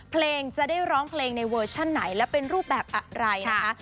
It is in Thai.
เพลงจะได้ร้องเพลงในเวอร์ชั่นไหนและเป็นรูปแบบอะไรนะคะ